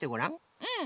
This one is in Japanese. うん。